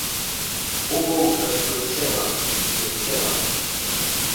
Houbo outras que o dixeron antes, que o fixeron antes.